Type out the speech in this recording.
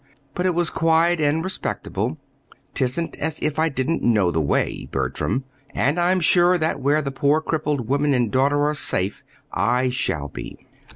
But it was quiet and respectable. 'Tisn't as if I didn't know the way, Bertram; and I'm sure that where that poor crippled woman and daughter are safe, I shall be.